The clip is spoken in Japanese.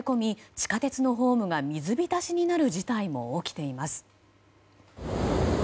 地下鉄のホームが水浸しになる事態も起きています。